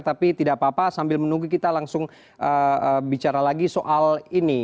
tapi tidak apa apa sambil menunggu kita langsung bicara lagi soal ini